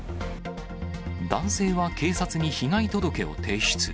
男性は警察に被害届を提出。